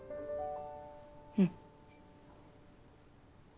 うん。